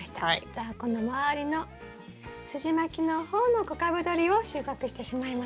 じゃあこのまわりのすじまきの方の小株どりを収穫してしまいますね。